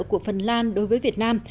của phần lan đối với việt nam